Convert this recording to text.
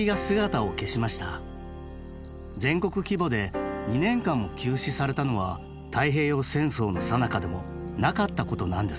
全国規模で２年間も休止されたのは太平洋戦争のさなかでもなかったことなんですって。